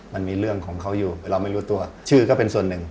มันมีเรื่องของเขาอยู่เราไม่รู้ตัวชื่อก็เป็นส่วนหนึ่ง